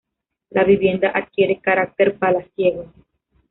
La vivienda adquiere carácter palaciego.